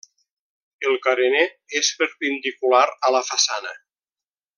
El carener és perpendicular a la façana.